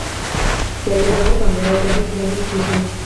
سیالي د هر پانګوال د هڅې لامل کېږي